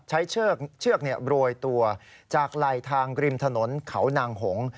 เชือกบรวยตัวจากลายทางกริมถนนเขานางหงค์